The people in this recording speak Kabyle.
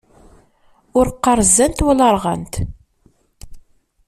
Ur qqaṛ zzant, wala rɣant!